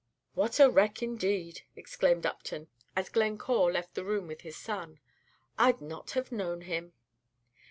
"What a wreck indeed!" exclaimed Upton, as Glencore left the room with his son. "I'd not have known him."